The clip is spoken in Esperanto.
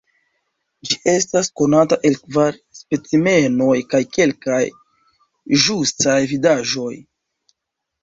Ĝi estas konata el kvar specimenoj kaj kelkaj ĵusaj vidaĵoj.